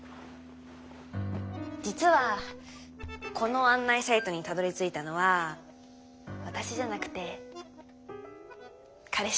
実はこの案内サイトにたどりついたのは私じゃなくて彼氏っていうか。